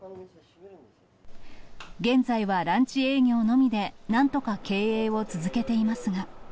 現在はランチ営業のみで、なんとか経営を続けていますが。